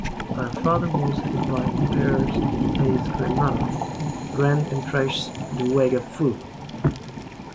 Her father was hated by Emperor Ai's grandmother Grand Empress Dowager Fu.